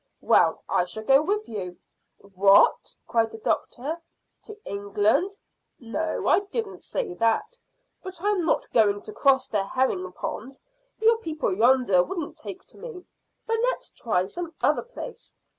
Well, I shall go with you." "What!" cried the doctor. "To England?" "No, I didn't say that. I'm not going to cross the herring pond. Your people yonder wouldn't take to me. But let's try some other place.